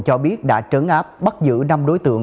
cho biết đã trấn áp bắt giữ năm đối tượng